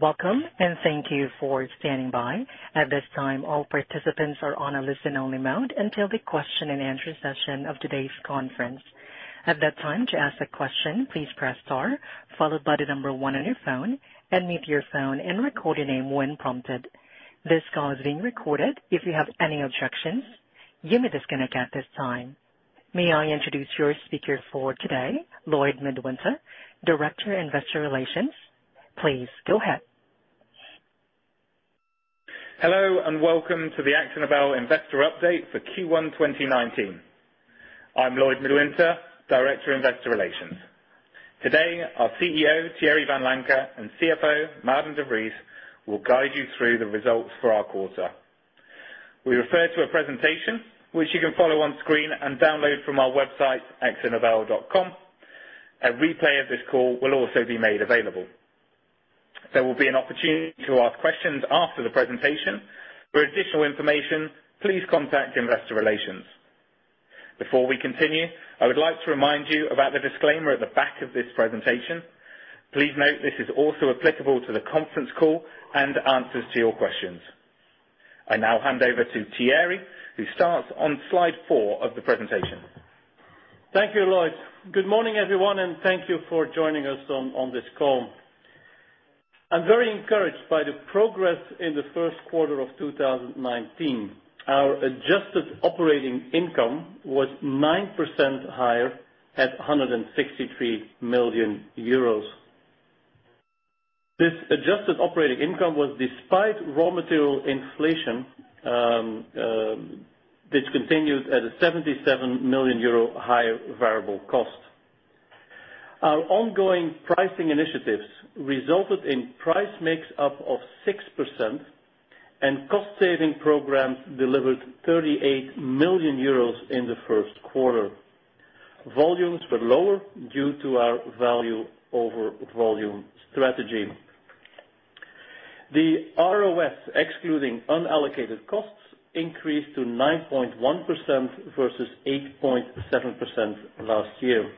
Welcome, and thank you for standing by. At this time, all participants are on a listen-only mode until the question and answer session of today's conference. At that time, to ask a question, please press star, followed by the number one on your phone, unmute your phone and record your name when prompted. This call is being recorded. If you have any objections, you may disconnect at this time. May I introduce your speaker for today, Lloyd Midwinter, Director, Investor Relations. Please go ahead. Hello, and welcome to the AkzoNobel investor update for Q1 2019. I'm Lloyd Midwinter, Director, Investor Relations. Today, our CEO, Thierry Vanlancker, and CFO, Maarten de Vries, will guide you through the results for our quarter. We refer to a presentation which you can follow on screen and download from our website, akzonobel.com. A replay of this call will also be made available. There will be an opportunity to ask questions after the presentation. For additional information, please contact Investor Relations. Before we continue, I would like to remind you about the disclaimer at the back of this presentation. Please note this is also applicable to the conference call and answers to your questions. I now hand over to Thierry, who starts on slide four of the presentation. Thank you, Lloyd. Good morning, everyone, and thank you for joining us on this call. I'm very encouraged by the progress in the first quarter of 2019. Our adjusted operating income was 9% higher at 163 million euros. This adjusted operating income was despite raw material inflation, which continued at a 77 million euro higher variable cost. Our ongoing pricing initiatives resulted in price mix up of 6%, and cost-saving programs delivered 38 million euros in the first quarter. Volumes were lower due to our value over volume strategy. The ROS, excluding unallocated costs, increased to 9.1% versus 8.7% last year.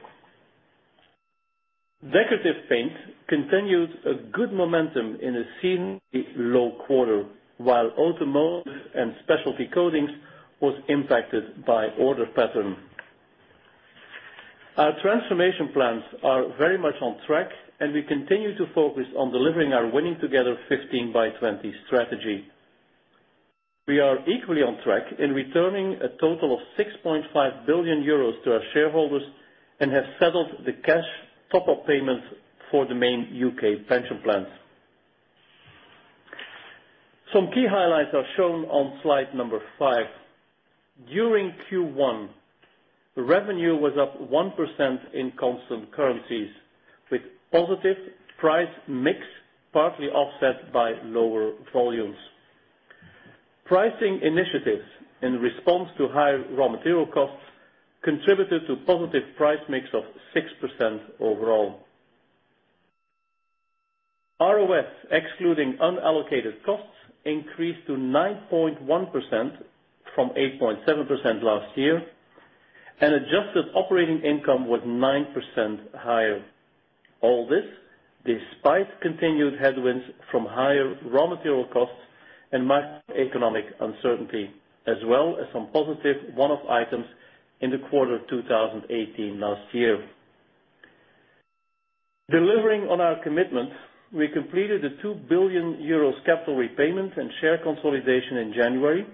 Decorative Paints continued a good momentum in a seasonally low quarter, while Automotive and Specialty Coatings was impacted by order pattern. Our transformation plans are very much on track, and we continue to focus on delivering our Winning together: 15 by 20 strategy. We are equally on track in returning a total of 6.5 billion euros to our shareholders and have settled the cash top-up payments for the main U.K. pension plans. Some key highlights are shown on slide number five. During Q1, the revenue was up 1% in constant currencies, with positive price mix partly offset by lower volumes. Pricing initiatives in response to higher raw material costs contributed to positive price mix of 6% overall. ROS, excluding unallocated costs, increased to 9.1% from 8.7% last year, and adjusted operating income was 9% higher. All this despite continued headwinds from higher raw material costs and macroeconomic uncertainty, as well as some positive one-off items in the quarter 2018 last year. Delivering on our commitment, we completed a 2 billion euros capital repayment and share consolidation in January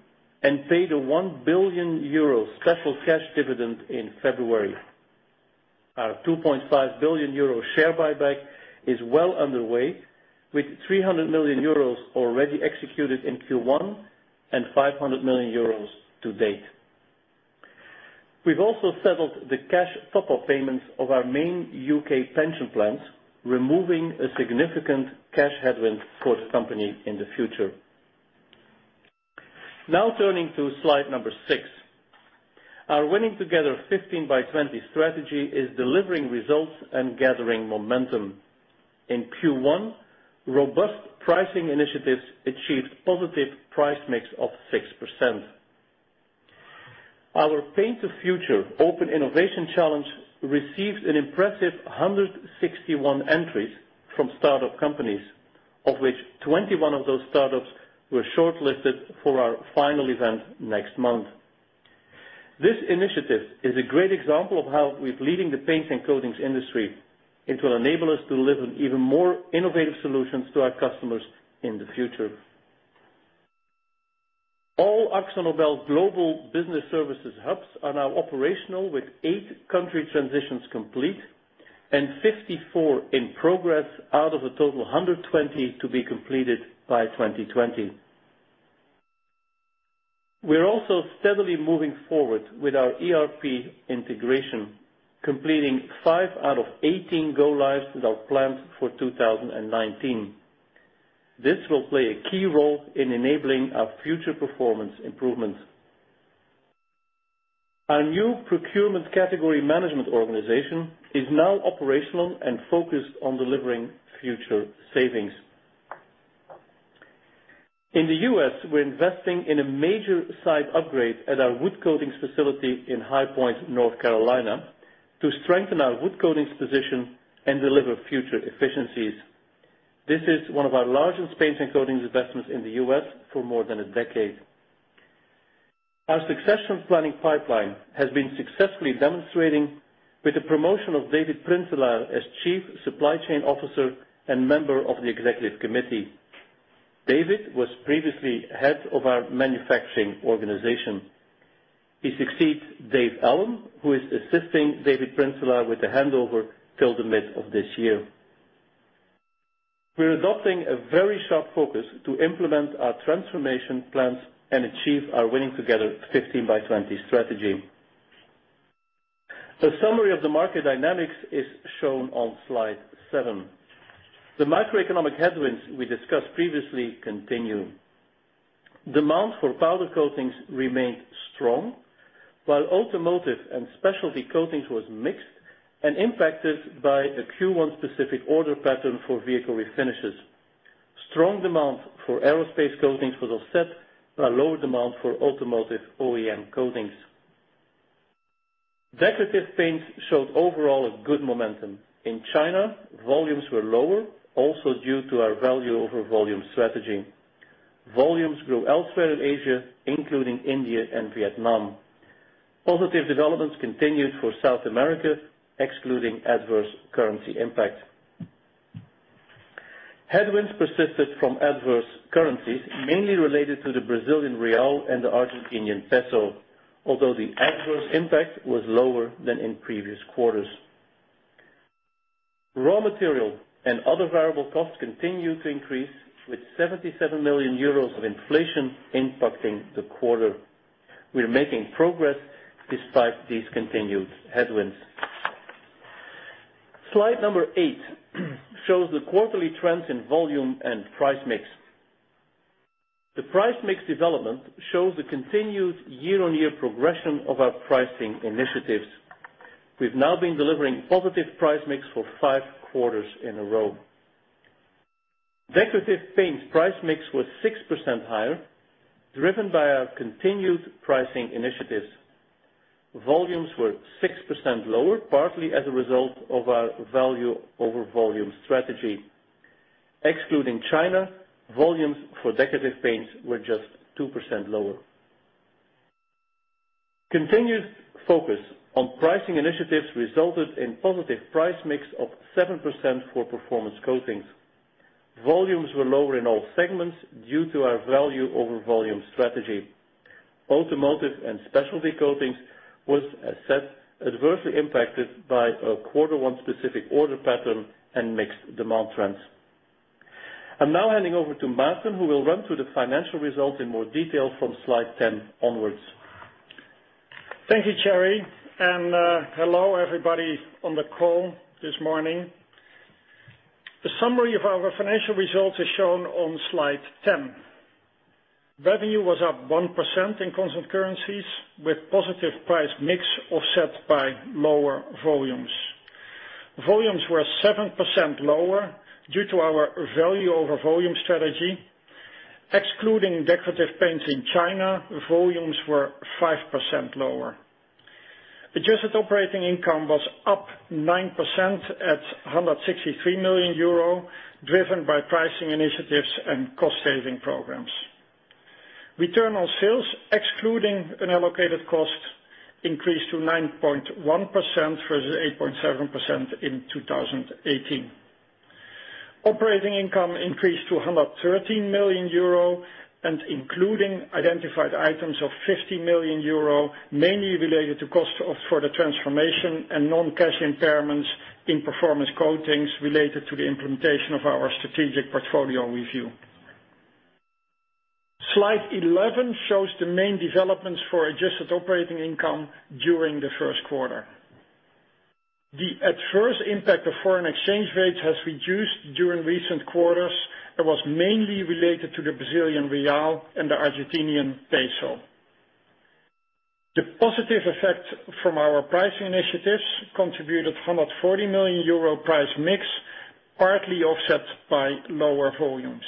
and paid a 1 billion euro special cash dividend in February. Our 2.5 billion euro share buyback is well underway, with 300 million euros already executed in Q1 and 500 million euros to date. We've also settled the cash top-up payments of our main U.K. pension plans, removing a significant cash headwind for the company in the future. Turning to slide number six. Our Winning together: 15 by 20 strategy is delivering results and gathering momentum. In Q1, robust pricing initiatives achieved positive price mix of 6%. Our Paint the Future Open Innovation Challenge received an impressive 161 entries from start-up companies, of which 21 of those start-ups were shortlisted for our final event next month. This initiative is a great example of how we're leading the paint and coatings industry. It will enable us to deliver even more innovative solutions to our customers in the future. All AkzoNobel global business services hubs are now operational with eight country transitions complete and 54 in progress out of a total 120 to be completed by 2020. We're also steadily moving forward with our ERP integration, completing five out of 18 go lives that are planned for 2019. This will play a key role in enabling our future performance improvement. Our new procurement category management organization is now operational and focused on delivering future savings. In the U.S., we're investing in a major site upgrade at our Wood Coatings facility in High Point, North Carolina, to strengthen our Wood Coatings position and deliver future efficiencies. This is one of our largest paints and coatings investments in the U.S. for more than a decade. Our succession planning pipeline has been successfully demonstrating with the promotion of David Prinselaar as Chief Supply Chain Officer and member of the Executive Committee. David was previously head of our manufacturing organization. He succeeds David Allen, who is assisting David Prinselaar with the handover till the mid of this year. We're adopting a very sharp focus to implement our transformation plans and achieve our Winning Together 15 by 20 strategy. The summary of the market dynamics is shown on slide seven. The macroeconomic headwinds we discussed previously continue. Demand for Powder Coatings remained strong, while Automotive and Specialty Coatings was mixed and impacted by a Q1 specific order pattern for Vehicle Refinishes. Strong demand for Aerospace Coatings was offset by lower demand for Automotive OEM coatings. Decorative Paints showed overall a good momentum. In China, volumes were lower, also due to our value over volume strategy. Volumes grew elsewhere in Asia, including India and Vietnam. Positive developments continued for South America, excluding adverse currency impact. Headwinds persisted from adverse currencies, mainly related to the Brazilian real and the Argentinian peso, although the adverse impact was lower than in previous quarters. Raw material and other variable costs continue to increase, with 77 million euros of inflation impacting the quarter. We're making progress despite these continued headwinds. Slide number eight shows the quarterly trends in volume and price mix. The price mix development shows the continued year-on-year progression of our pricing initiatives. We've now been delivering positive price mix for five quarters in a row. Decorative Paints price mix was 6% higher, driven by our continued pricing initiatives. Volumes were 6% lower, partly as a result of our value over volume strategy. Excluding China, volumes for Decorative Paints were just 2% lower. Continued focus on pricing initiatives resulted in positive price mix of 7% for Performance Coatings. Volumes were lower in all segments due to our value over volume strategy. Automotive and Specialty Coatings was, as said, adversely impacted by a quarter one specific order pattern and mixed demand trends. I'm now handing over to Maarten, who will run through the financial results in more detail from slide 10 onwards. Thank you, Thierry, and hello, everybody on the call this morning. The summary of our financial results is shown on slide 10. Revenue was up 1% in constant currencies, with positive price mix offset by lower volumes. Volumes were 7% lower due to our value over volume strategy. Excluding Decorative Paints in China, volumes were 5% lower. Adjusted operating income was up 9% at 163 million euro, driven by pricing initiatives and cost saving programs. Return on Sales, excluding an allocated cost, increased to 9.1%, versus 8.7% in 2018. Operating income increased to 113 million euro and including identified items of 50 million euro, mainly related to cost of further transformation and non-cash impairments in Performance Coatings related to the implementation of our strategic portfolio review. Slide 11 shows the main developments for adjusted operating income during the first quarter. The adverse impact of foreign exchange rates has reduced during recent quarters, was mainly related to the Brazilian real and the Argentinian peso. The positive effect from our pricing initiatives contributed 140 million euro price mix, partly offset by lower volumes.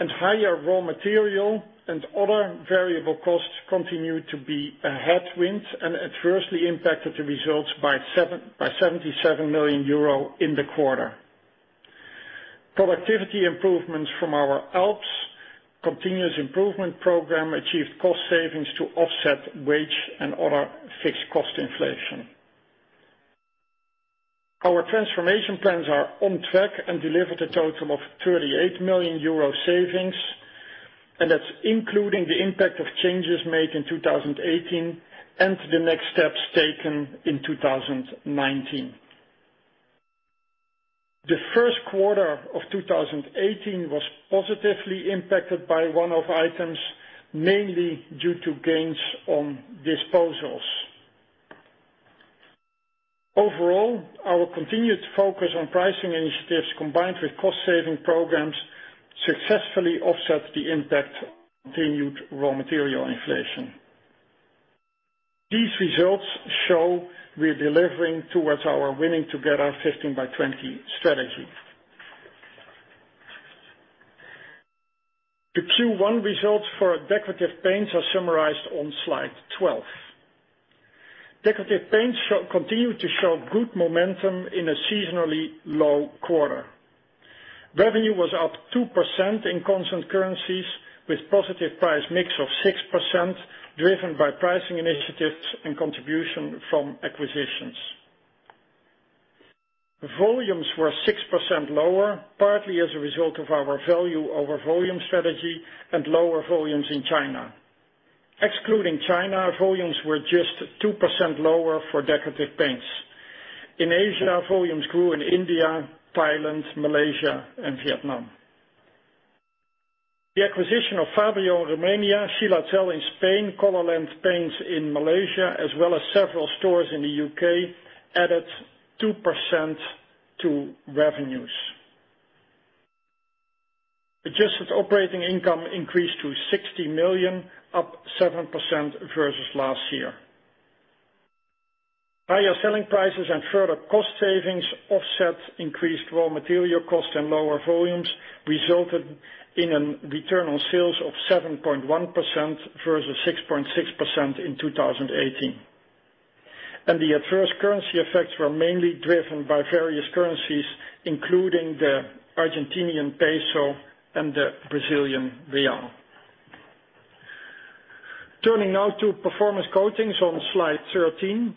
Higher raw material and other variable costs continued to be a headwind, and adversely impacted the results by 77 million euro in the quarter. Productivity improvements from our ALPS continuous improvement program achieved cost savings to offset wage and other fixed cost inflation. Our transformation plans are on track and delivered a total of 38 million euro savings, and that's including the impact of changes made in 2018 and the next steps taken in 2019. The first quarter of 2018 was positively impacted by one-off items, mainly due to gains on disposals. Overall, our continued focus on pricing initiatives combined with cost saving programs successfully offset the impact of continued raw material inflation. These results show we're delivering towards our Winning Together: 15 by 20 strategy. The Q1 results for Decorative Paints are summarized on slide 12. Decorative Paints continue to show good momentum in a seasonally low quarter. Revenue was up 2% in constant currencies, with positive price mix of 6%, driven by pricing initiatives and contribution from acquisitions. Volumes were 6% lower, partly as a result of our value over volume strategy and lower volumes in China. Excluding China, volumes were just 2% lower for Decorative Paints. In Asia, volumes grew in India, Thailand, Malaysia, and Vietnam. The acquisition of Fabryo Romania, Xylazel in Spain, Colourland Paints in Malaysia, as well as several stores in the U.K., added 2% to revenues. Adjusted operating income increased to 60 million, up 7% versus last year. Higher selling prices and further cost savings offset increased raw material cost and lower volumes resulted in an return on sales of 7.1% versus 6.6% in 2018. The adverse currency effects were mainly driven by various currencies, including the Argentinian peso and the Brazilian real. Turning now to Performance Coatings on slide 13.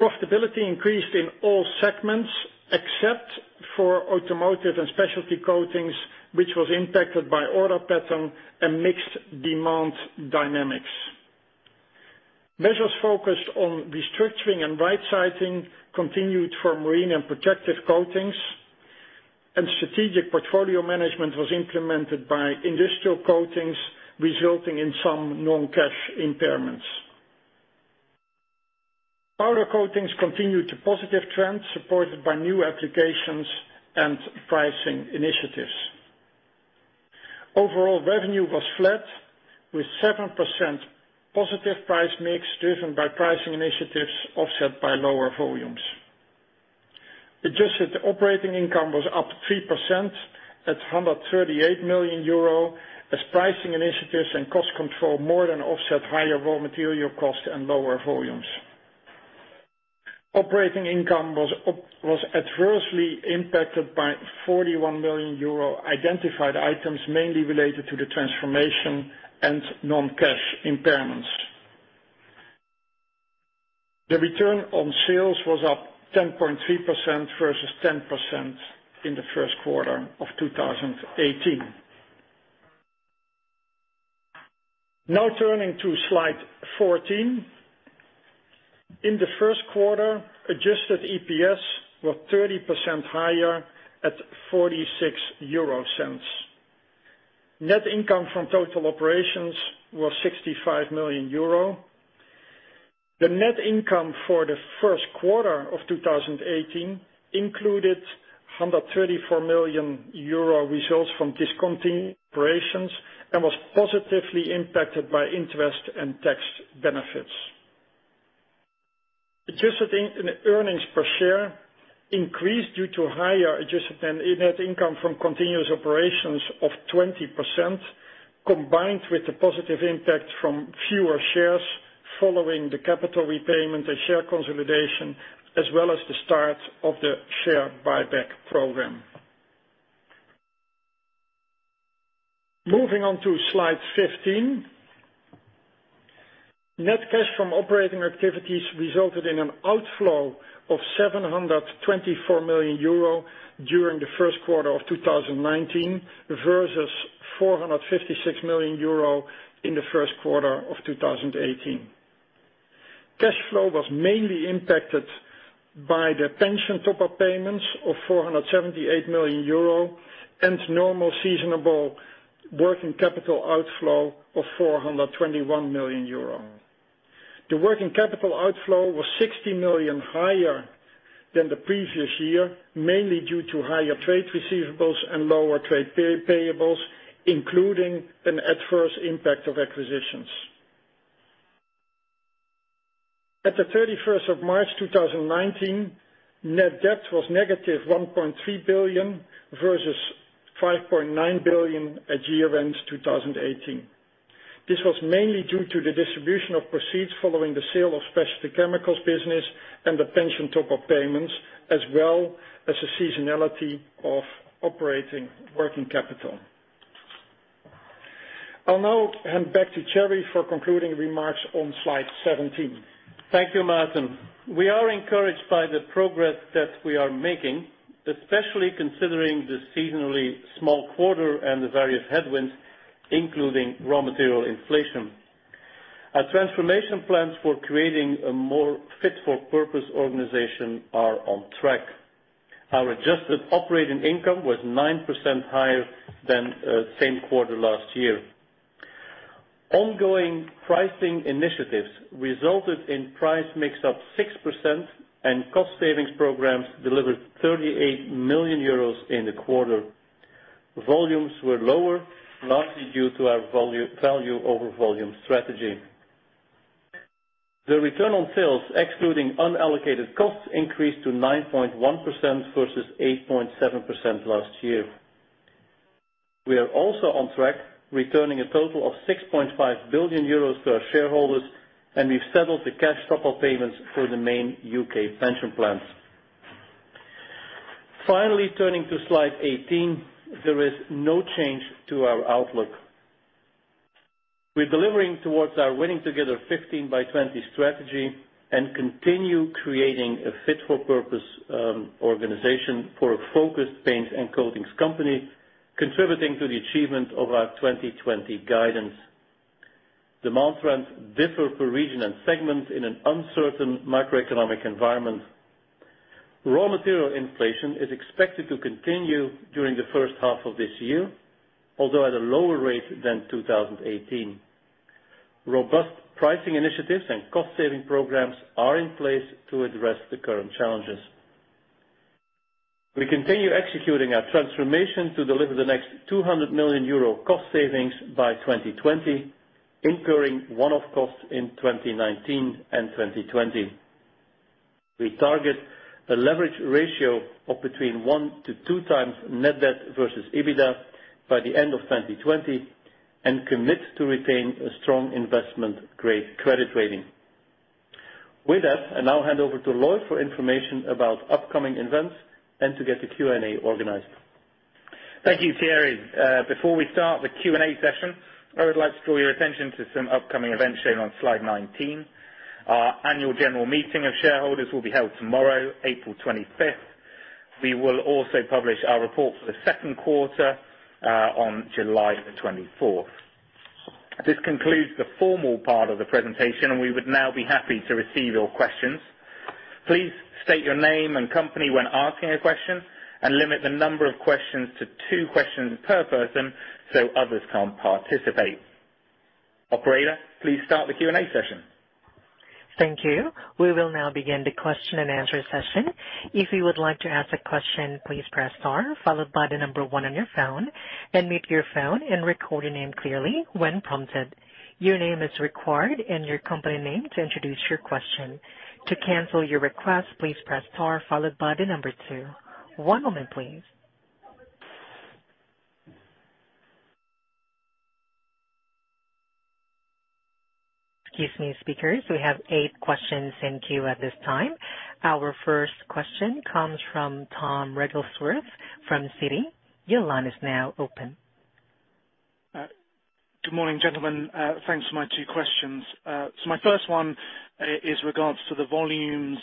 Profitability increased in all segments, except for Automotive and Specialty Coatings, which was impacted by order pattern and mixed demand dynamics. Measures focused on restructuring and rightsizing continued for Marine and Protective Coatings, and strategic portfolio management was implemented by Industrial Coatings, resulting in some non-cash impairments. Powder Coatings continued to positive trends supported by new applications and pricing initiatives. Overall revenue was flat, with 7% positive price mix driven by pricing initiatives offset by lower volumes. Adjusted operating income was up 3% at 138 million euro, as pricing initiatives and cost control more than offset higher raw material costs and lower volumes. Operating income was adversely impacted by 41 million euro identified items, mainly related to the transformation and non-cash impairments. The return on sales was up 10.3% versus 10% in the first quarter of 2018. Turning to slide 14. In the first quarter, adjusted EPS were 30% higher at 0.46. Net income from total operations was 65 million euro. The net income for the first quarter of 2018 included 134 million euro results from discontinued operations and was positively impacted by interest and tax benefits. Adjusted in earnings per share increased due to higher adjusted net income from continuous operations of 20%, combined with the positive impact from fewer shares following the capital repayment and share consolidation as well as the start of the share buyback program. Moving on to slide 15. Net cash from operating activities resulted in an outflow of 724 million euro during the first quarter of 2019 versus 456 million euro in the first quarter of 2018. Cash flow was mainly impacted by the pension top-up payments of 478 million euro and normal seasonable working capital outflow of 421 million euro. The working capital outflow was 60 million higher than the previous year, mainly due to higher trade receivables and lower trade payables, including an adverse impact of acquisitions. At the 31st of March 2019, net debt was negative 1.3 billion versus 5.9 billion at year-end 2018. This was mainly due to the distribution of proceeds following the sale of Specialty Chemicals business and the pension top-up payments, as well as the seasonality of operating working capital. I'll now hand back to Thierry for concluding remarks on slide 17. Thank you, Maarten. We are encouraged by the progress that we are making, especially considering the seasonally small quarter and the various headwinds, including raw material inflation. Our transformation plans for creating a more fit-for-purpose organization are on track. Our adjusted operating income was 9% higher than same quarter last year. Ongoing pricing initiatives resulted in price mix up 6%, and cost savings programs delivered 38 million euros in the quarter. Volumes were lower, largely due to our value over volume strategy. The return on sales, excluding unallocated costs, increased to 9.1% versus 8.7% last year. We are also on track, returning a total of 6.5 billion euros to our shareholders, and we've settled the cash top-up payments for the main U.K. pension plans. Finally, turning to slide 18, there is no change to our outlook. We're delivering towards our Winning together: 15 by 20 strategy and continue creating a fit-for-purpose organization for a focused paints and coatings company, contributing to the achievement of our 2020 guidance. Demand trends differ per region and segment in an uncertain macroeconomic environment. Raw material inflation is expected to continue during the first half of this year, although at a lower rate than 2018. Robust pricing initiatives and cost-saving programs are in place to address the current challenges. We continue executing our transformation to deliver the next 200 million euro cost savings by 2020, incurring one-off costs in 2019 and 2020. We target a leverage ratio of between one to two times net debt versus EBITDA by the end of 2020 and commit to retain a strong investment-grade credit rating. With that, I now hand over to Lloyd for information about upcoming events and to get the Q&A organized. Thank you, Thierry. Before we start the Q&A session, I would like to draw your attention to some upcoming events shown on slide 19. Our annual general meeting of shareholders will be held tomorrow, April 25th. We will also publish our report for the second quarter on July 24th. This concludes the formal part of the presentation. We would now be happy to receive your questions. Please state your name and company when asking a question and limit the number of questions to two questions per person so others can participate. Operator, please start the Q&A session. Thank you. We will now begin the question and answer session. If you would like to ask a question, please press star, followed by the number one on your phone, unmute your phone and record your name clearly when prompted. Your name is required and your company name to introduce your question. To cancel your request, please press star followed by the number two. One moment, please. Excuse me, speakers, we have eight questions in queue at this time. Our first question comes from Tom Wrigglesworth from Citi. Your line is now open. Good morning, gentlemen. Thanks for my two questions. My first one is regards to the volumes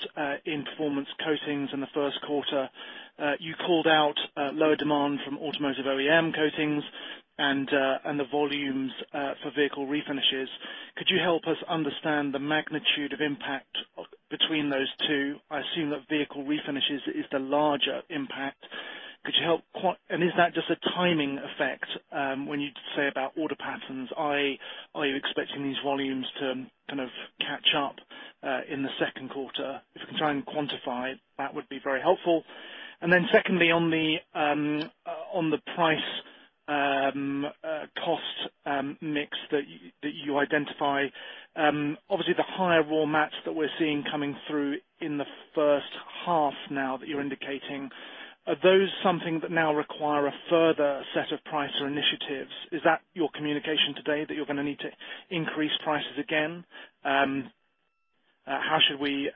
in Performance Coatings in the first quarter. You called out lower demand from Automotive OEM Coatings and the volumes for Vehicle Refinishes. Could you help us understand the magnitude of impact between those two? I assume that Vehicle Refinishes is the larger impact. Is that just a timing effect when you say about order patterns? Are you expecting these volumes to kind of catch up in the second quarter? If you can try and quantify, that would be very helpful. Secondly, on the price/cost mix that you identify, obviously the higher raw mats that we're seeing coming through in the first half now that you're indicating, are those something that now require a further set of price or initiatives? Is that your communication today that you're going to need to increase prices again? How should we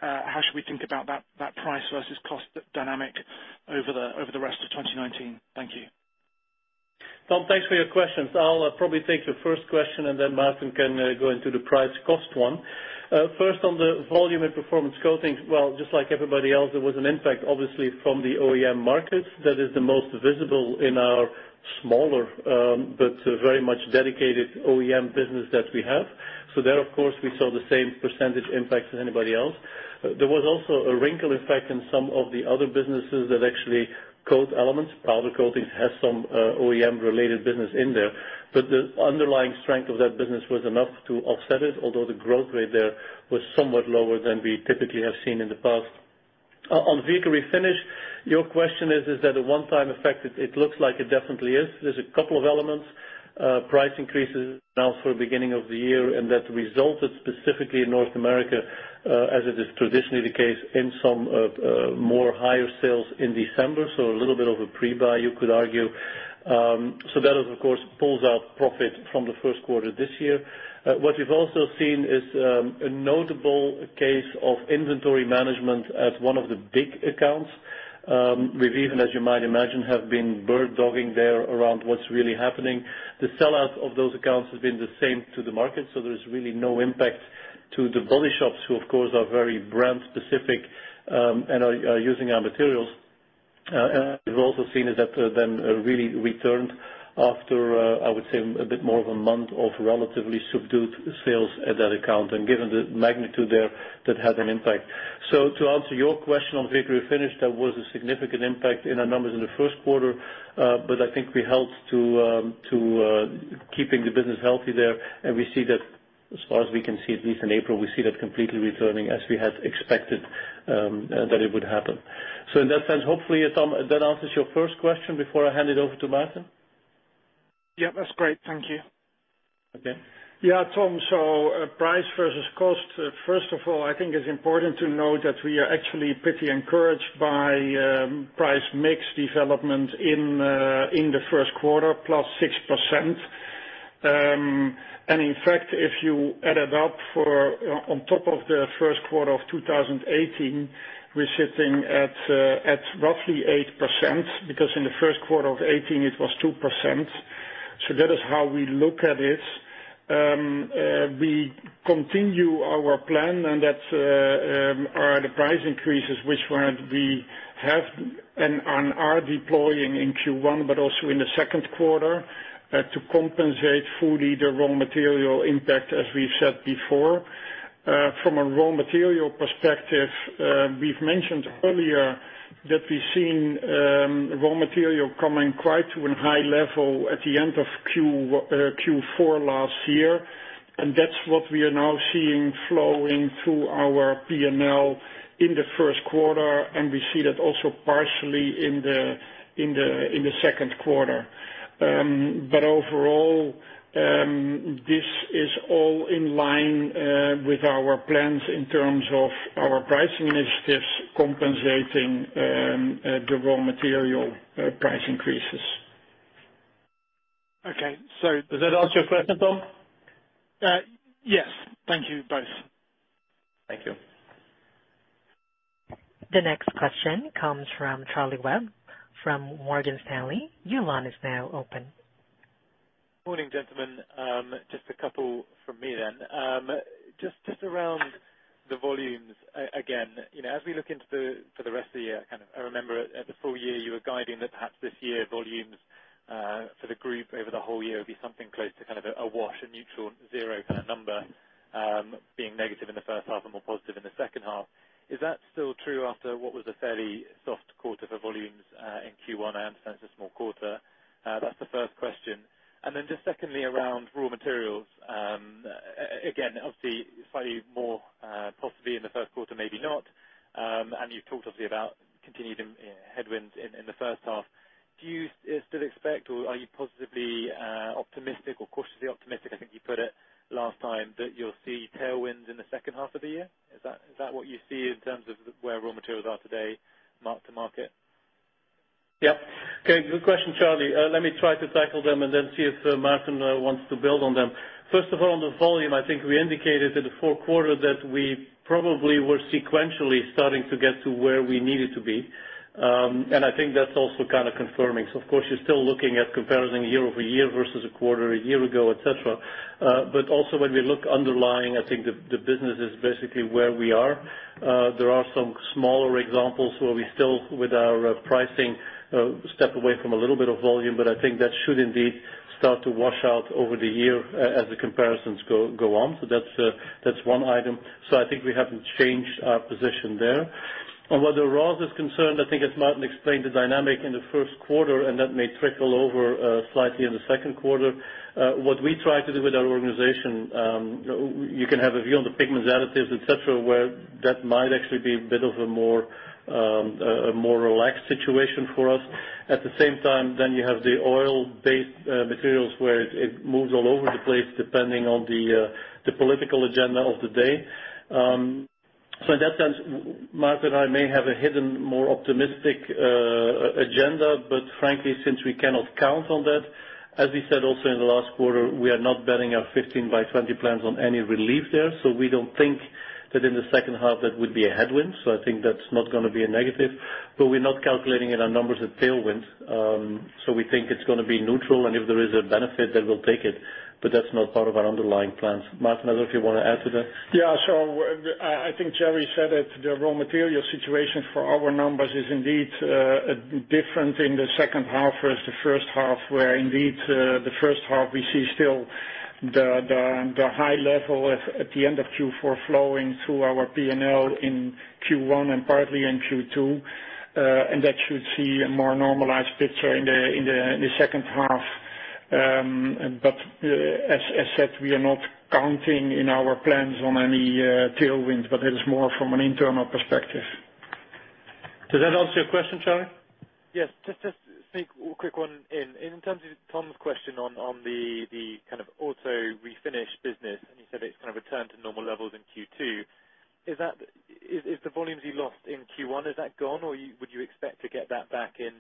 think about that price versus cost dynamic over the rest of 2019? Thank you. Tom, thanks for your questions. I'll probably take the first question, then Maarten de Vries can go into the price cost one. First on the volume and Performance Coatings, well, just like everybody else, there was an impact, obviously, from the OEM market that is the most visible in our smaller, but very much dedicated OEM business that we have. There, of course, we saw the same percentage impact as anybody else. There was also a wrinkle effect in some of the other businesses that actually coat elements. Powder Coatings has some OEM-related business in there, but the underlying strength of that business was enough to offset it, although the growth rate there was somewhat lower than we typically have seen in the past. On Vehicle Refinishes, your question is that a one-time effect? It looks like it definitely is. There's a couple of elements. Price increases announced for the beginning of the year, that resulted specifically in North America, as it is traditionally the case, in some more higher sales in December. A little bit of a pre-buy, you could argue. That, of course, pulls our profit from the first quarter this year. What we've also seen is a notable case of inventory management at one of the big accounts. We've even, as you might imagine, have been bird-dogging there around what's really happening. The sell-out of those accounts has been the same to the market, there's really no impact to the body shops, who of course, are very brand specific and are using our materials. We've also seen that then really returned after, I would say, a bit more of a month of relatively subdued sales at that account, given the magnitude there, that had an impact. To answer your question on Vehicle Refinishes, that was a significant impact in our numbers in the first quarter. I think we helped to keep the business healthy there, and as far as we can see, at least in April, we see that completely returning as we had expected that it would happen. In that sense, hopefully, Tom, that answers your first question before I hand it over to Maarten. That's great. Thank you. Okay. Tom. Price versus cost. First of all, I think it's important to note that we are actually pretty encouraged by price mix development in the first quarter, plus 6%. In fact, if you add it up on top of the first quarter of 2018, we're sitting at roughly 8%, because in the first quarter of 2018, it was 2%. That is how we look at it. We continue our plan, and that's the price increases, which we have and are deploying in Q1, but also in the second quarter, to compensate fully the raw material impact, as we've said before. From a raw material perspective, we've mentioned earlier that we've seen raw material coming quite to a high level at the end of Q4 last year, and that's what we are now seeing flowing through our P&L in the first quarter, and we see that also partially in the second quarter. Overall, this is all in line with our plans in terms of our price initiatives compensating the raw material price increases. Okay. Does that answer your question, Tom? Yes. Thank you both. Thank you. The next question comes from Charlie Webb from Morgan Stanley. Your line is now open. Morning, gentlemen. Just a couple from me, then. Just around the volumes. Again, as we look into for the rest of the year, kind of, I remember at the full year, you were guiding that perhaps this year, volumes, for the group over the whole year would be something close to a wash, a mutual zero kind of number, being negative in the first half and more positive in the second half. Is that still true after what was a fairly soft quarter for volumes, in Q1, and hence a small quarter? That's the first question. Then just secondly, around raw materials. Again, obviously slightly more, possibly in the first quarter, maybe not. You've talked obviously about continuing headwinds in the first half. Do you still expect, or are you positively optimistic or cautiously optimistic, I think you put it last time, that you'll see tailwinds in the second half of the year? Is that what you see in terms of where raw materials are today, mark to market? Yep. Okay, good question, Charlie. Let me try to tackle them and then see if Maarten wants to build on them. First of all, on the volume, I think we indicated in the fourth quarter that we probably were sequentially starting to get to where we needed to be. I think that's also kind of confirming. Of course, you're still looking at comparison year-over-year versus a quarter a year ago, et cetera. Also, when we look underlying, I think the business is basically where we are. There are some smaller examples where we still, with our pricing, step away from a little bit of volume, but I think that should indeed start to wash out over the year as the comparisons go on. That's one item. I think we haven't changed our position there. On where the raw is concerned, I think as Maarten explained the dynamic in the first quarter, and that may trickle over slightly in the second quarter. What we try to do with our organization, you can have a view on the pigments, additives, et cetera, where that might actually be a bit of a more relaxed situation for us. At the same time, you have the oil-based materials where it moves all over the place, depending on the political agenda of the day. In that sense, Maarten and I may have a hidden, more optimistic agenda, but frankly, since we cannot count on that, as we said also in the last quarter, we are not betting our 15 by 20 plans on any relief there. We don't think that in the second half, that would be a headwind. I think that's not going to be a negative, but we're not calculating in our numbers a tailwind. We think it's going to be neutral, and if there is a benefit, we'll take it. That's not part of our underlying plans. Maarten, I don't know if you want to add to that. I think Thierry said it. The raw material situation for our numbers is indeed different in the second half versus the first half, where indeed, the first half we see still the high level at the end of Q4 flowing through our P&L in Q1 and partly in Q2. That should see a more normalized picture in the second half. As said, we are not counting in our plans on any tailwinds, but it is more from an internal perspective. Does that answer your question, Charlie? Yes. Just sneak quick one in. In terms of Tom's question on the kind of auto refinish business, and you said it's kind of returned to normal levels in Q2. The volumes you lost in Q1, is that gone, or would you expect to get that back in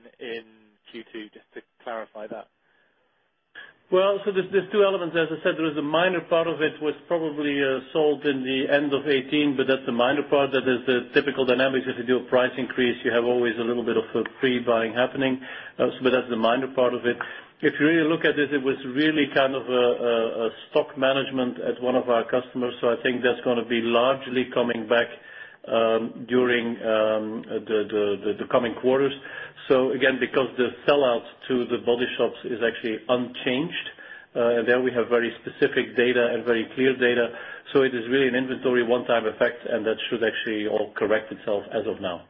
Q2? Just to clarify that. Well, there's two elements. As I said, there is a minor part of it was probably sold in the end of 2018, but that's a minor part. That is the typical dynamics. If you do a price increase, you have always a little bit of pre-buying happening. That's the minor part of it. If you really look at it was really kind of a stock management at one of our customers. I think that's going to be largely coming back during the coming quarters. Again, because the sell-outs to the body shops is actually unchanged, and there we have very specific data and very clear data. It is really an inventory one-time effect, and that should actually all correct itself as of now.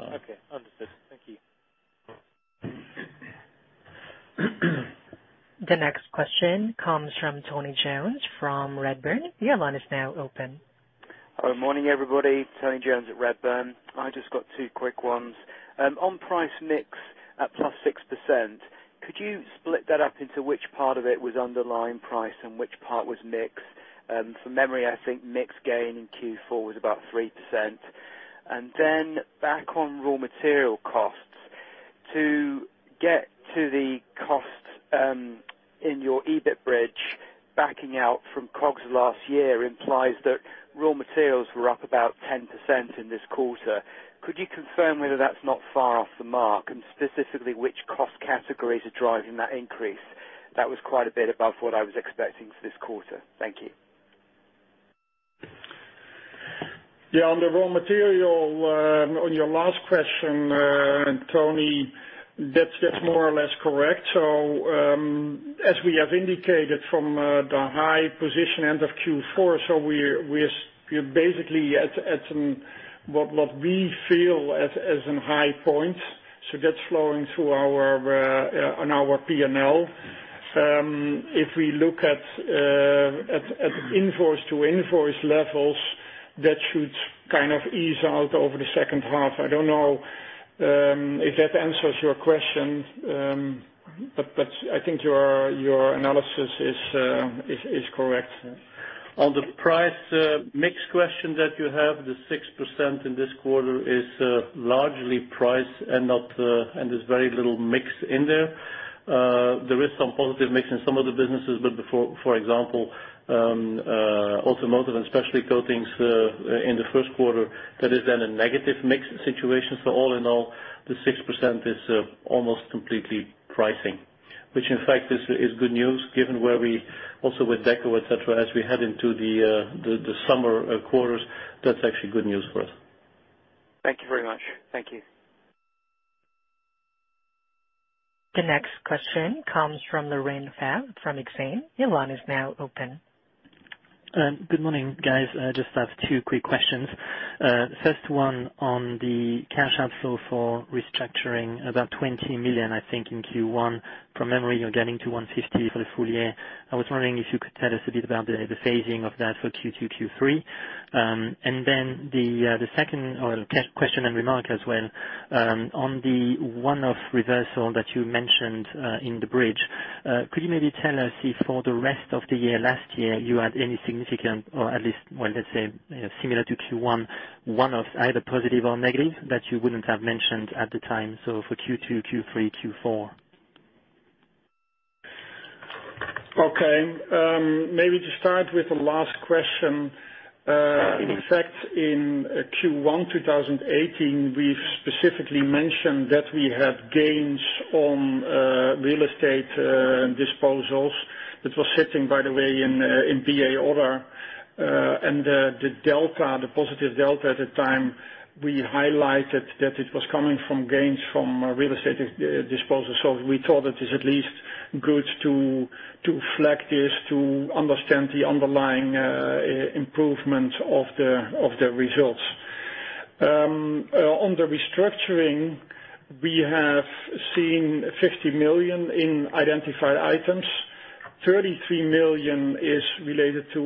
Okay. Understood. Thank you. The next question comes from Tony Jones from Redburn. Your line is now open. Good morning, everybody. Tony Jones at Redburn. I just got two quick ones. On price mix at +6%, could you split that up into which part of it was underlying price and which part was mix? From memory, I think mix gain in Q4 was about 3%. Back on raw material costs, to get to the cost in your EBIT bridge, backing out from COGS last year implies that raw materials were up about 10% in this quarter. Could you confirm whether that's not far off the mark, and specifically which cost categories are driving that increase? That was quite a bit above what I was expecting for this quarter. Thank you. On the raw material, on your last question, Tony, that's more or less correct. As we have indicated from the high position end of Q4, we're basically at what we feel as a high point. That's flowing through on our P&L. If we look at invoice to invoice levels, that should kind of ease out over the second half. I don't know if that answers your question, but I think your analysis is correct. On the price mix question that you have, the 6% in this quarter is largely price and there's very little mix in there. There is some positive mix in some of the businesses, but for example, Automotive and Specialty Coatings in the first quarter, that is then a negative mix situation. All in all, the 6% is almost completely pricing, which in fact is good news given where we, also with Deco, et cetera, as we head into the summer quarters, that's actually good news for us. Thank you very much. Thank you. The next question comes from Laurent Favre from Exane. Your line is now open. Good morning, guys. I just have two quick questions. First one on the cash outflow for restructuring, about 20 million, I think, in Q1. From memory, you're getting to 150 for the full year. I was wondering if you could tell us a bit about the phasing of that for Q2, Q3. The second question and remark as well, on the one-off reversal that you mentioned in the bridge, could you maybe tell us if for the rest of the year last year, you had any significant, or at least, let's say, similar to Q1, one-offs, either positive or negative that you wouldn't have mentioned at the time, so for Q2, Q3, Q4? Okay. Maybe to start with the last question. In fact, in Q1 2018, we've specifically mentioned that we have gains on real estate disposals. That was sitting, by the way, in BA Other. The delta, the positive delta at the time, we highlighted that it was coming from gains from real estate disposals. We thought that it's at least good to flag this to understand the underlying improvement of the results. On the restructuring, we have seen 50 million in identified items. 33 million is related to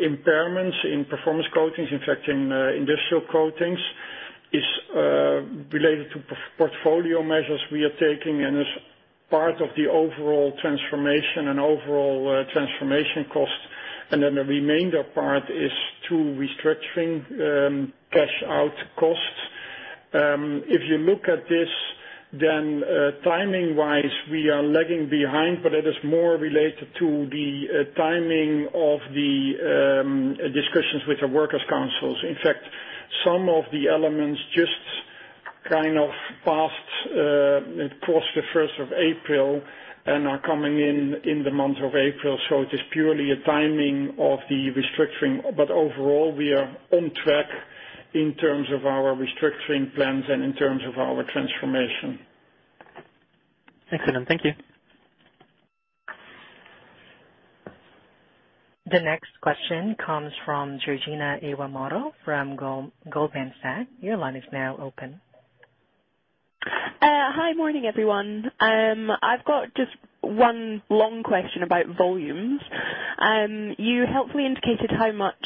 impairments in Performance Coatings. In fact, in Industrial Coatings is related to portfolio measures we are taking, and is part of the overall transformation and overall transformation cost. The remainder part is to restructuring cash out costs. If you look at this, timing-wise, we are lagging behind, but it is more related to the timing of the discussions with the workers' councils. In fact, some of the elements just kind of crossed the 1st of April and are coming in in the month of April. It is purely a timing of the restructuring. Overall, we are on track in terms of our restructuring plans and in terms of our transformation. Excellent. Thank you. The next question comes from Georgina Fraser from Goldman Sachs. Your line is now open. Hi. Morning, everyone. I've got just one long question about volumes. You helpfully indicated how much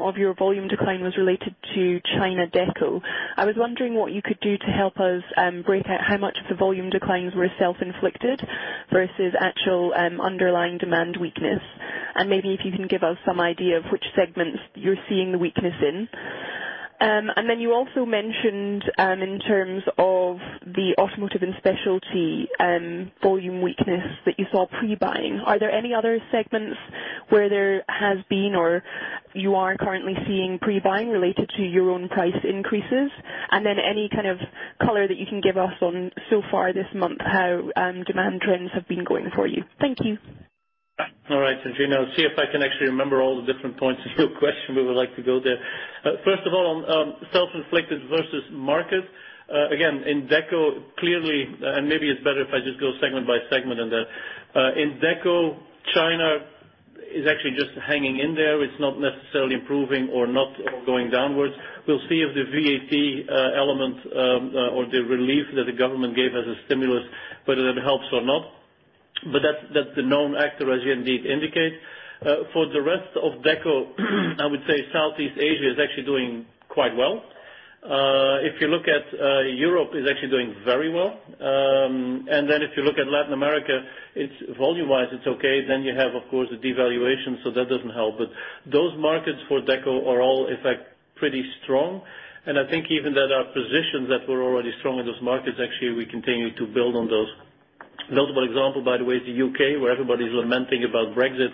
of your volume decline was related to China Deco. I was wondering what you could do to help us break out how much of the volume declines were self-inflicted versus actual underlying demand weakness. Maybe if you can give us some idea of which segments you're seeing the weakness in. Then you also mentioned, in terms of the Automotive and Specialty volume weakness that you saw pre-buying. Are there any other segments where there has been, or you are currently seeing pre-buying related to your own price increases? Then any kind of color that you can give us on so far this month, how demand trends have been going for you. Thank you. All right, Georgina. See if I can actually remember all the different points of your question, we would like to go there. First of all, on self-inflicted versus market. Again, in Deco, clearly, maybe it's better if I just go segment by segment on that. In Deco, China is actually just hanging in there. It's not necessarily improving or not or going downwards. We'll see if the VAT element or the relief that the government gave as a stimulus, whether that helps or not. That's the known actor, as you indeed indicate. For the rest of Deco, I would say Southeast Asia is actually doing quite well. If you look at Europe, is actually doing very well. If you look at Latin America, volume-wise, it's okay. You have, of course, the devaluation, so that doesn't help. Those markets for Deco are all in fact pretty strong. I think even that our positions that were already strong in those markets, actually, we continue to build on those. Notable example, by the way, is the U.K., where everybody's lamenting about Brexit,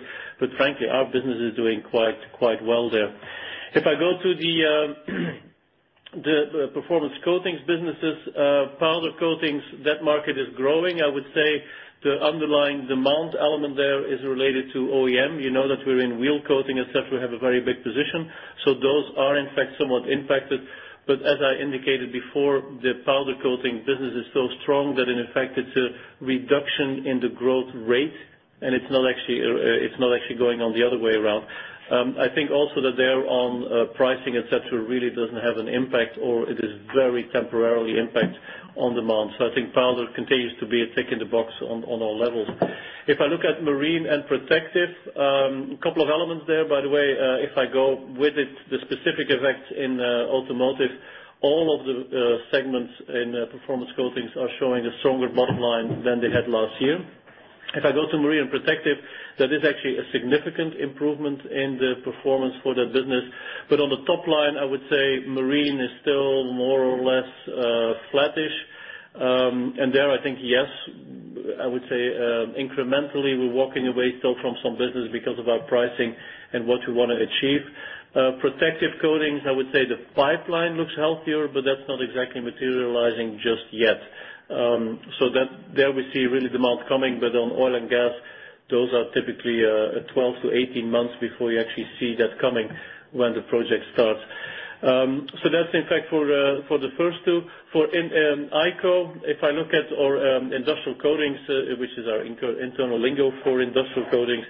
frankly, our business is doing quite well there. If I go to the Performance Coatings businesses, Powder Coatings, that market is growing. I would say the underlying demand element there is related to OEM. You know that we're in wheel coating et cetera. We have a very big position. Those are in fact somewhat impacted. As I indicated before, the Powder Coatings business is so strong that in effect it's a reduction in the growth rate and it's not actually going on the other way around. I think also that there on pricing, et cetera, really doesn't have an impact or it is very temporarily impact on demand. I think powder continues to be a tick in the box on all levels. If I look at Marine and Protective, couple of elements there, by the way, if I go with it, the specific effect in automotive, all of the segments in Performance Coatings are showing a stronger bottom line than they had last year. If I go to Marine and Protective, that is actually a significant improvement in the performance for that business. On the top line, I would say Marine is still more or less flattish. There, I think, yes, I would say incrementally, we're walking away still from some business because of our pricing and what we want to achieve. Protective Coatings, I would say the pipeline looks healthier, that's not exactly materializing just yet. There we see really demand coming. On oil and gas, those are typically 12 to 18 months before you actually see that coming when the project starts. That's in fact for the first two. For ICO, if I look at our Industrial Coatings, which is our internal lingo for Industrial Coatings,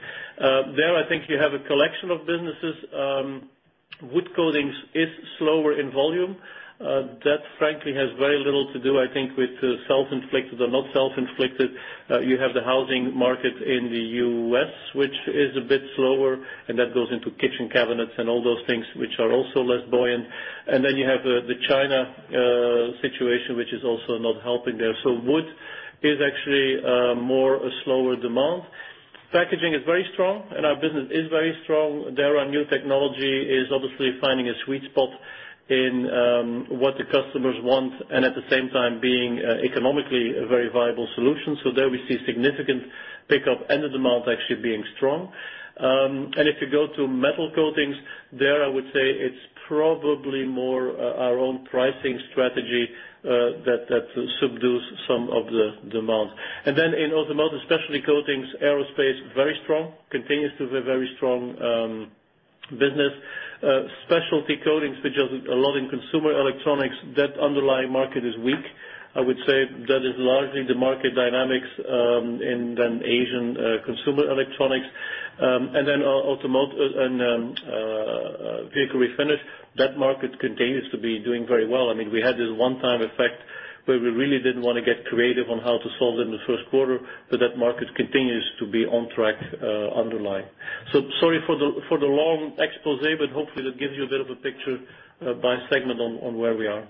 there, I think you have a collection of businesses. Wood Coatings is slower in volume. That frankly, has very little to do, I think, with self-inflicted or not self-inflicted. You have the housing market in the U.S., which is a bit slower, and that goes into kitchen cabinets and all those things which are also less buoyant. You have the China situation, which is also not helping there. Wood is actually more a slower demand. Packaging is very strong, our business is very strong. There our new technology is obviously finding a sweet spot in what the customers want and at the same time being economically a very viable solution. There we see significant pickup and the demand actually being strong. If you go to Metal Coatings there, I would say it's probably more our own pricing strategy that subdues some of the demands. In Automotive Specialty Coatings, Aerospace Coatings, very strong, continues to be a very strong business. Specialty Coatings, which is a lot in consumer electronics, that underlying market is weak. I would say that is largely the market dynamics in the Asian consumer electronics. Vehicle Refinishes, that market continues to be doing very well. I mean, we had this one-time effect where we really didn't want to get creative on how to solve it in the first quarter, but that market continues to be on track underlying. Sorry for the long expose, but hopefully that gives you a bit of a picture by segment on where we are.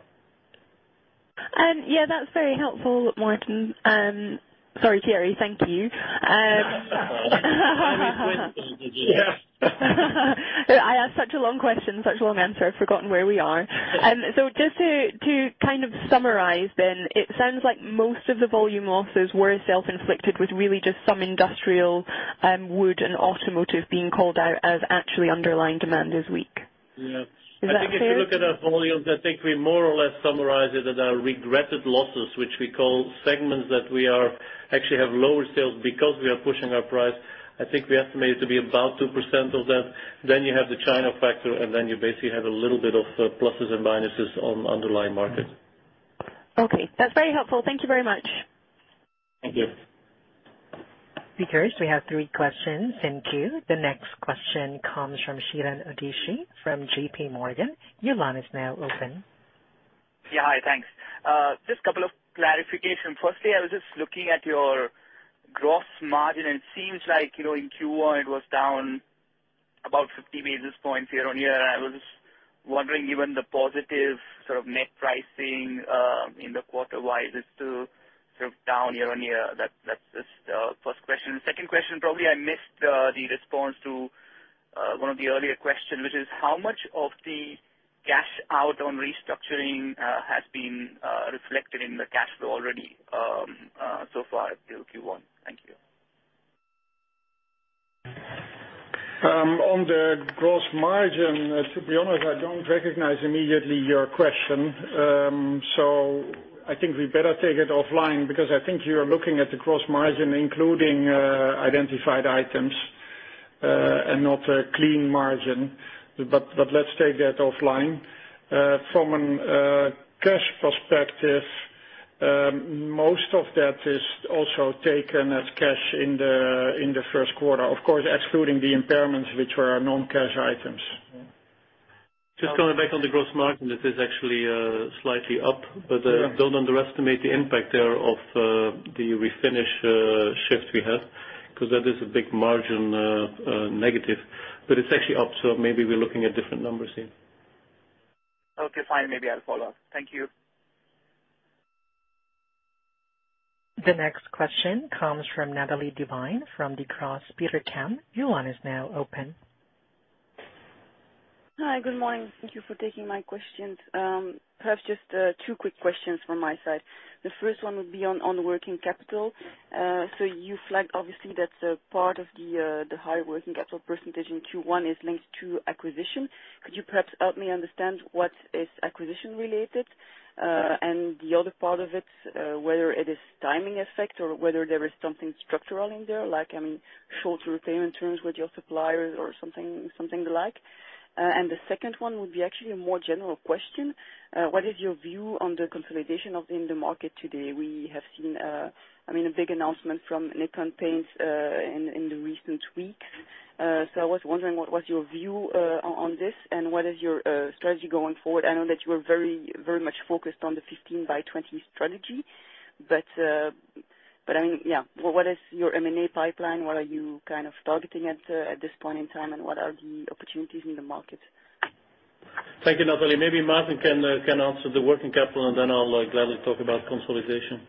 That's very helpful, Maarten. Sorry, Thierry. Thank you. I asked such a long question, such a long answer. I've forgotten where we are. Just to kind of summarize then, it sounds like most of the volume losses were self-inflicted with really just some industrial wood and automotive being called out as actually underlying demand is weak. Yeah. Is that fair? I think if you look at our volumes, I think we more or less summarize it as our regretted losses, which we call segments that we are actually have lower sales because we are pushing our price. I think we estimate it to be about 2% of that. You have the China factor, you basically have a little bit of pluses and minuses on underlying markets. Okay. That's very helpful. Thank you very much. Thank you. Speakers, we have three questions in queue. The next question comes from Chetan Udeshi from JPMorgan. Your line is now open. Yeah, hi. Thanks. Just couple of clarification. Firstly, I was just looking at your gross margin, and it seems like in Q1 it was down about 50 basis points year on year, and I was just wondering, given the positive sort of net pricing, in the quarter, why is it still sort of down year on year? That's just the first question. Second question, probably I missed the response to one of the earlier question, which is how much of the cash out on restructuring has been reflected in the cash flow already so far through Q1? Thank you. On the gross margin, to be honest, I don't recognize immediately your question. I think we better take it offline because I think you're looking at the gross margin, including identified items, and not a clean margin. Let's take that offline. Most of that is also taken as cash in the first quarter. Of course, excluding the impairments, which were non-cash items. Just coming back on the gross margin, it is actually slightly up. Don't underestimate the impact there of the Refinish shift we had, because that is a big margin negative. It's actually up, maybe we're looking at different numbers here. Okay, fine. Maybe I'll follow up. Thank you. The next question comes from Nathalie Debruyne from Degroof Petercam. Your line is now open. Hi. Good morning. Thank you for taking my questions. Perhaps just two quick questions from my side. The first one would be on the working capital. You flagged, obviously, that part of the high working capital percentage in Q1 is linked to acquisition. Could you perhaps help me understand what is acquisition-related? The other part of it, whether it is timing effect or whether there is something structural in there, like shorter payment terms with your suppliers or something alike. The second one would be actually a more general question. What is your view on the consolidation of the market today? We have seen a big announcement from Nippon Paint in the recent weeks. I was wondering, what's your view on this and what is your strategy going forward? I know that you are very much focused on the 15 by 20 strategy, what is your M&A pipeline? What are you targeting at this point in time, and what are the opportunities in the market? Thank you, Natalie. Maybe Maarten can answer the working capital, I'll gladly talk about consolidation.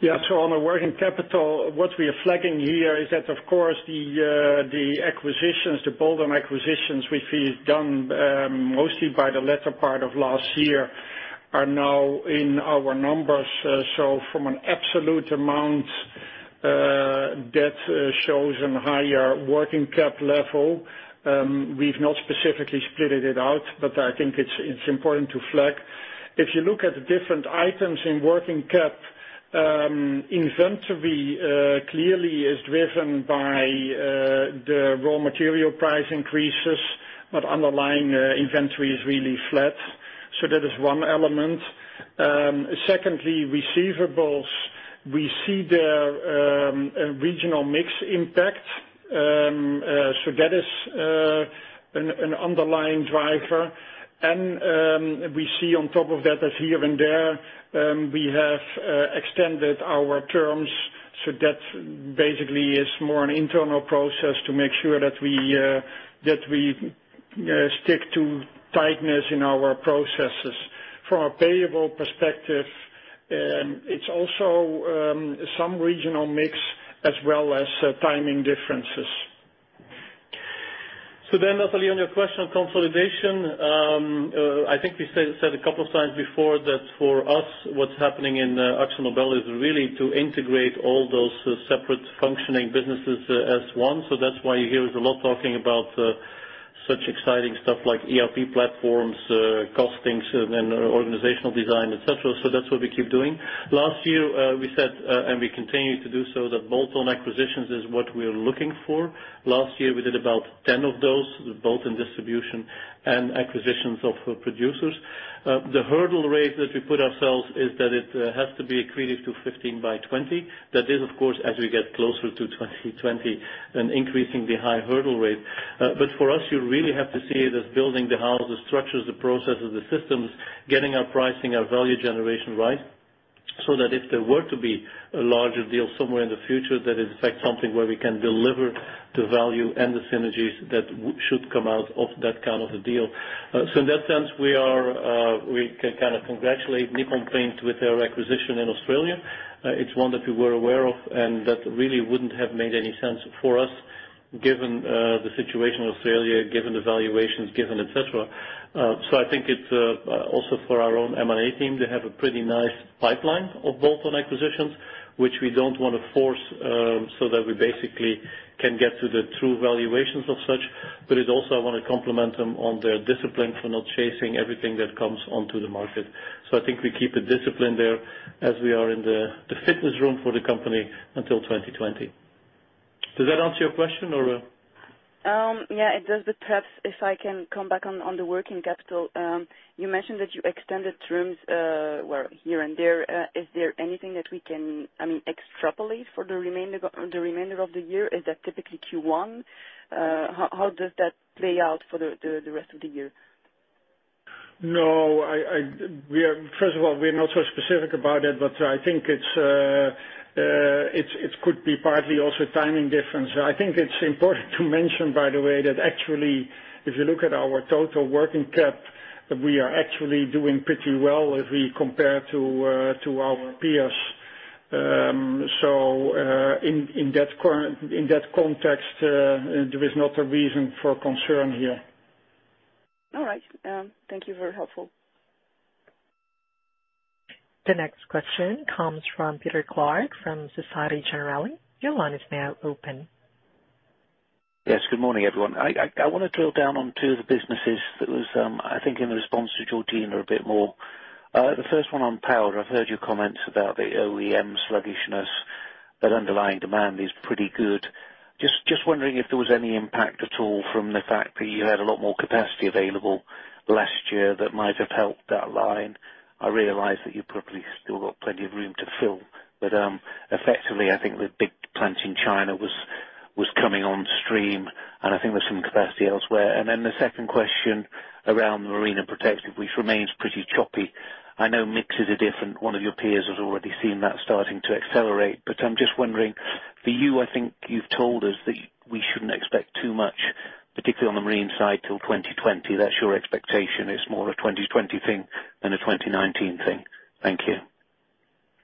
Yeah. On the working capital, what we are flagging here is that, of course, the bolt-on acquisitions, which we've done mostly by the latter part of last year, are now in our numbers. From an absolute amount, that shows a higher working cap level. We've not specifically split it out, but I think it's important to flag. If you look at the different items in working cap, inventory clearly is driven by the raw material price increases, but underlying inventory is really flat. Secondly, receivables. We see the regional mix impact. That is an underlying driver. We see on top of that, as here and there, we have extended our terms. That basically is more an internal process to make sure that we stick to tightness in our processes. From a payable perspective, it's also some regional mix as well as timing differences. Natalie, on your question on consolidation. I think we said a couple times before that for us, what's happening in AkzoNobel is really to integrate all those separate functioning businesses as one. That's why you hear us a lot talking about such exciting stuff like ERP platforms, costings, and organizational design, et cetera. That's what we keep doing. Last year, we said, and we continue to do so, that bolt-on acquisitions is what we are looking for. Last year, we did about 10 of those, both in distribution and acquisitions of producers. The hurdle rate that we put ourselves is that it has to be accretive to 15 by 20. That is, of course, as we get closer to 2020, an increasingly high hurdle rate. For us, you really have to see it as building the house, the structures, the processes, the systems, getting our pricing, our value generation right, that if there were to be a larger deal somewhere in the future, that is in fact something where we can deliver the value and the synergies that should come out of that kind of a deal. In that sense, we can congratulate Nippon Paint with their acquisition in Australia. It's one that we were aware of and that really wouldn't have made any sense for us, given the situation in Australia, given the valuations, given et cetera. I think it's also for our own M&A team. They have a pretty nice pipeline of bolt-on acquisitions, which we don't want to force, that we basically can get to the true valuations of such. It's also I want to compliment them on their discipline for not chasing everything that comes onto the market. I think we keep a discipline there as we are in the fitness room for the company until 2020. Does that answer your question? Yeah, it does. Perhaps if I can come back on the working capital. You mentioned that you extended terms where here and there. Is there anything that we can extrapolate for the remainder of the year? Is that typically Q1? How does that play out for the rest of the year? No. First of all, we're not so specific about it, but I think it could be partly also timing difference. I think it's important to mention, by the way, that actually, if you look at our total working cap, we are actually doing pretty well as we compare to our peers. In that context, there is not a reason for concern here. All right. Thank you. Very helpful. The next question comes from Peter Clark from Societe Generale. Your line is now open. Yes. Good morning, everyone. I want to drill down on two of the businesses that was, I think in response to Georgina a bit more. The first one on Powder. I've heard your comments about the OEM sluggishness. That underlying demand is pretty good. Just wondering if there was any impact at all from the fact that you had a lot more capacity available last year that might have helped that line. I realize that you've probably still got plenty of room to fill, but effectively, I think the big plant in China was coming on stream, and I think there's some capacity elsewhere. The second question around Marine and Protective, which remains pretty choppy. I know mixes are different. One of your peers has already seen that starting to accelerate. I'm just wondering, for you, I think you've told us that we shouldn't expect too much, particularly on the marine side, till 2020. That's your expectation. It's more a 2020 thing than a 2019 thing. Thank you.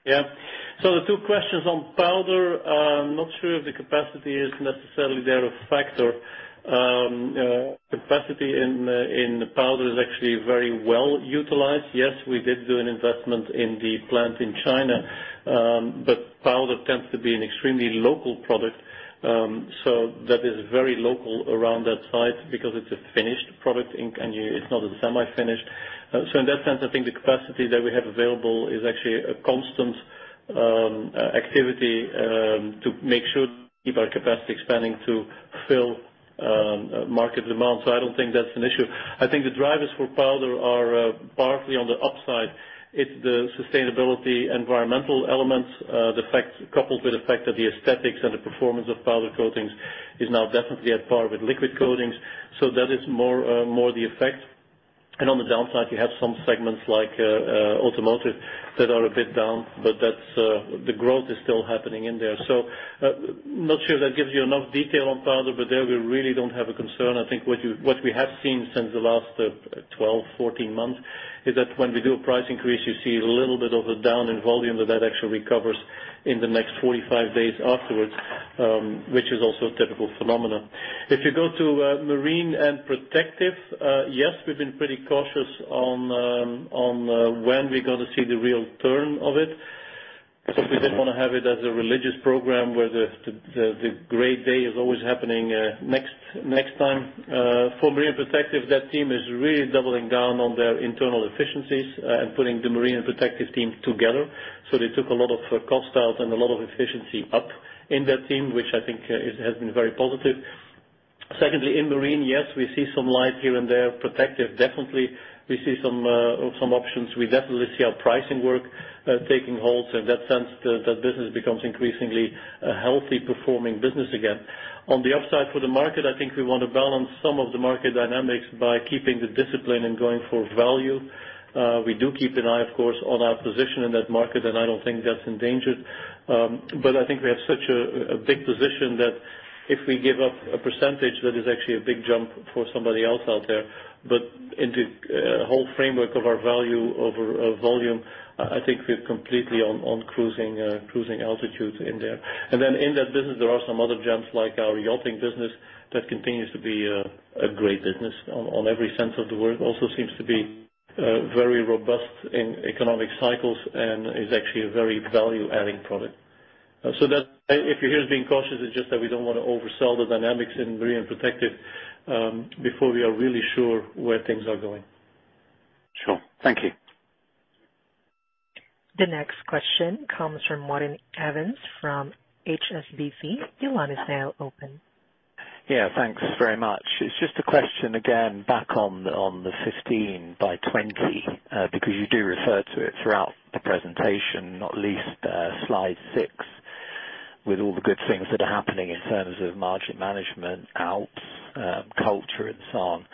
The two questions on Powder, I'm not sure if the capacity is necessarily there a factor. Capacity in the Powder is actually very well utilized. Yes, we did do an investment in the plant in China, Powder tends to be an extremely local product. That is very local around that site because it's a finished product, and it's not a semi-finish. In that sense, I think the capacity that we have available is actually a constant activity to make sure keep our capacity expanding to fill market demand. I don't think that's an issue. I think the drivers for Powder are partly on the upside. It's the sustainability, environmental elements, coupled with the fact that the aesthetics and the performance of Powder Coatings is now definitely at par with liquid coatings. That is more the effect. On the downside, you have some segments like Automotive that are a bit down, but the growth is still happening in there. Not sure that gives you enough detail on Powder, but there we really don't have a concern. I think what we have seen since the last 12, 14 months is that when we do a price increase, you see a little bit of a down in volume, that actually recovers in the next 45 days afterwards, which is also a typical phenomenon. If you go to Marine and Protective, yes, we've been pretty cautious on when we're going to see the real turn of it, because we didn't want to have it as a religious program where the great day is always happening next time. For Marine and Protective, that team is really doubling down on their internal efficiencies and putting the Marine and Protective team together. They took a lot of cost out and a lot of efficiency up in that team, which I think has been very positive. Secondly, in Marine, yes, we see some light here and there. Protective, definitely we see some options. We definitely see our pricing work taking hold. In that sense, that business becomes increasingly a healthy performing business again. On the upside for the market, I think we want to balance some of the market dynamics by keeping the discipline and going for value. We do keep an eye, of course, on our position in that market, and I don't think that's endangered. I think we have such a big position that if we give up a percentage, that is actually a big jump for somebody else out there. In the whole framework of our value over volume, I think we're completely on cruising altitude in there. In that business, there are some other gems, like our yachting business, that continues to be a great business on every sense of the word. Also seems to be very robust in economic cycles and is actually a very value-adding product. If you hear us being cautious, it's just that we don't want to oversell the dynamics in Marine and Protective, before we are really sure where things are going. Sure. Thank you. The next question comes from Martin Evans from HSBC. Your line is now open. Yeah. Thanks very much. It's just a question again back on the 15 by 20, because you do refer to it throughout the presentation, not least slide six, with all the good things that are happening in terms of margin management, ALPS, culture and so on.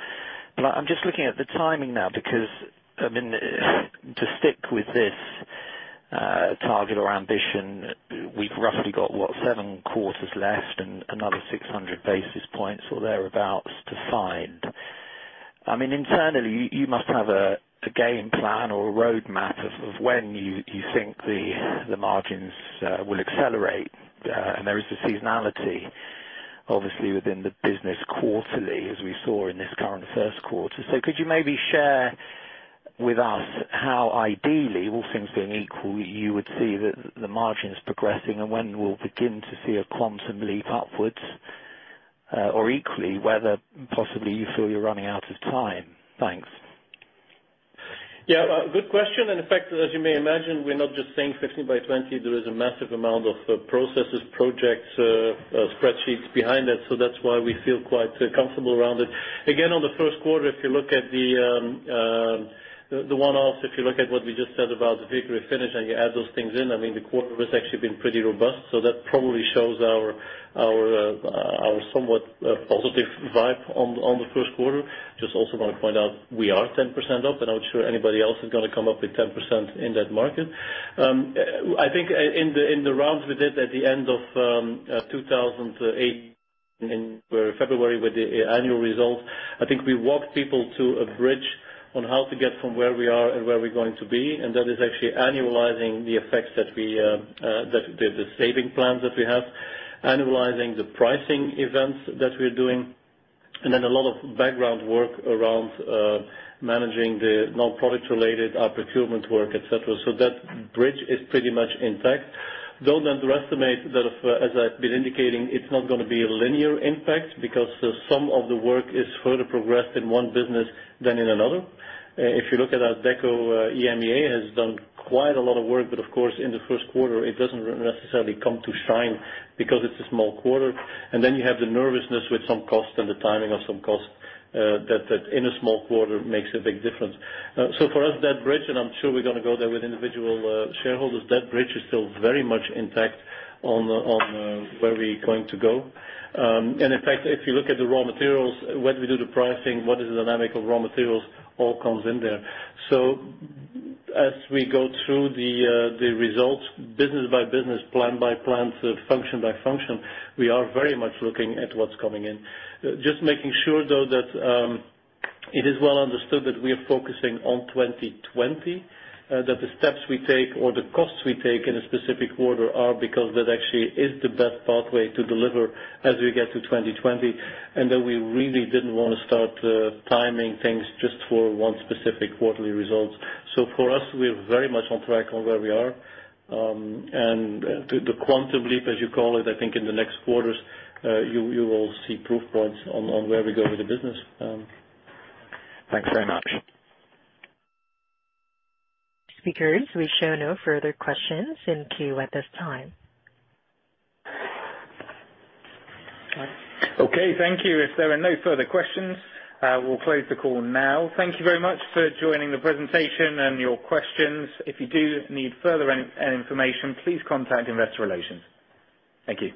I'm just looking at the timing now because, to stick with this target or ambition, we've roughly got, what, seven quarters left and another 600 basis points or thereabout to find. Internally, you must have a game plan or a road map of when you think the margins will accelerate. There is a seasonality, obviously, within the business quarterly, as we saw in this current first quarter. Could you maybe share with us how ideally, all things being equal, you would see the margins progressing and when we'll begin to see a quantum leap upwards? Equally, whether possibly you feel you're running out of time. Thanks. Yeah. Good question. In fact, as you may imagine, we're not just saying 15 by 20. There is a massive amount of processes, projects, spreadsheets behind it. That's why we feel quite comfortable around it. Again, on the first quarter, if you look at the one-offs, if you look at what we just said about the Victory finish and you add those things in, the quarter has actually been pretty robust. That probably shows our somewhat positive vibe on the first quarter. Just also want to point out we are 10% up, I'm not sure anybody else is going to come up with 10% in that market. I think in the rounds we did at the end of 2018 in February with the annual results, I think we walked people to a bridge on how to get from where we are and where we're going to be, and that is actually annualizing the effects, the saving plans that we have, annualizing the pricing events that we're doing, and then a lot of background work around managing the non-product related procurement work, et cetera. That bridge is pretty much intact. Don't underestimate that, as I've been indicating, it's not going to be a linear impact because some of the work is further progressed in one business than in another. If you look at Deco, EMEA has done quite a lot of work, but of course, in the first quarter, it doesn't necessarily come to shine because it's a small quarter. You have the nervousness with some cost and the timing of some costs that in a small quarter makes a big difference. For us, that bridge, and I'm sure we're going to go there with individual shareholders, that bridge is still very much intact on where we're going to go. In fact, if you look at the raw materials, when we do the pricing, what is the dynamic of raw materials, all comes in there. As we go through the results business by business, plant by plant, function by function, we are very much looking at what's coming in. Just making sure, though, that it is well understood that we are focusing on 2020, that the steps we take or the costs we take in a specific quarter are because that actually is the best pathway to deliver as we get to 2020, and that we really didn't want to start timing things just for one specific quarterly result. For us, we're very much on track on where we are. The quantum leap, as you call it, I think in the next quarters, you will see proof points on where we go with the business. Thanks very much. Speakers, we show no further questions in queue at this time. Okay. Thank you. If there are no further questions, we'll close the call now. Thank you very much for joining the presentation and your questions. If you do need further information, please contact Investor Relations. Thank you.